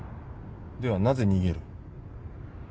ではなぜ逃げる？